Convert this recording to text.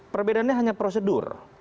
perbedaannya hanya prosedur